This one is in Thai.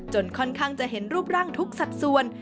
ค่อนข้างจะเห็นรูปร่างทุกสัดส่วน